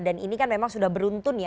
dan ini kan memang sudah beruntun ya